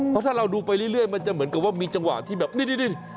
เพราะถ้าเราดูไปเรื่อยมันจะเหมือนกับว่ามีจังหวะที่แบบนี่